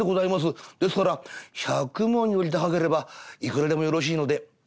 ですから百文より高ければいくらでもよろしいので」。